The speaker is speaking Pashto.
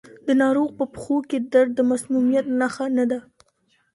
د ناروغ په پښو کې درد د مسمومیت نښه نه ده.